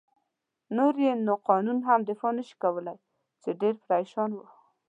نور يې نو قانون هم دفاع نه شي کولای، چې ډېر پرېشان و.